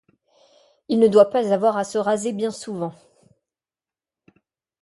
Il ne doit pas avoir à se raser bien souvent.